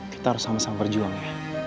kita harus sama sama berjuang ya